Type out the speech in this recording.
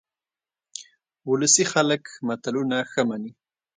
ولسي خلک متلونه ښه مني